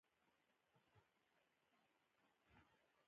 انار د افغانستان د اقلیمي نظام یوه ښه ښکارندوی ده.